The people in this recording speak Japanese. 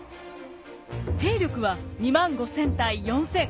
兵力は２万５，０００対４，０００。